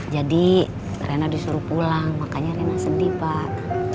jadi rena disuruh pulang makanya rena sedih pak